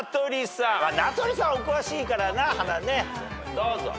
どうぞ。